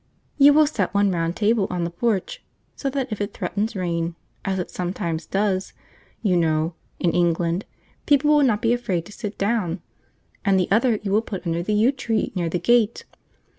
You will set one round table on the porch, so that if it threatens rain, as it sometimes does, you know, in England, people will not be afraid to sit down; and the other you will put under the yew tree near the gate.